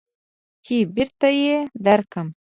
چې بېرته يې درکم.